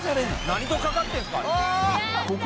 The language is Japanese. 何とかかってるんですかあれ。